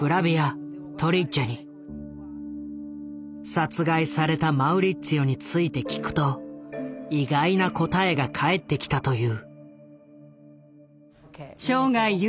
殺害されたマウリッツィオについて聞くと意外な答えが返ってきたという。